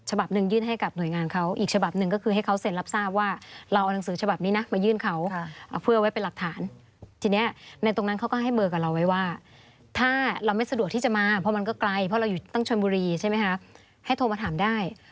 หนึ่งยื่นให้กับหน่วยงานเขาอีกฉบับหนึ่งก็คือให้เขาเซ็นรับทราบว่าเราเอาหนังสือฉบับนี้นะมายื่นเขาเพื่อไว้เป็นหลักฐานทีนี้ในตรงนั้นเขาก็ให้เบอร์กับเราไว้ว่าถ้าเราไม่สะดวกที่จะมาเพราะมันก็ไกลเพราะเราอยู่ตั้งชนบุรีใช่ไหมคะให้โทรมาถามได้